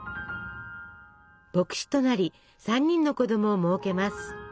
牧師となり３人の子供をもうけます。